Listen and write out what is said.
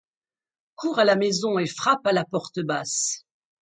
Il court à la maison et frappe à la porte basse.